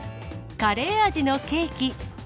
カレー味のケーキ。